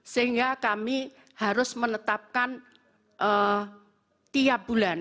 sehingga kami harus menetapkan tiap bulan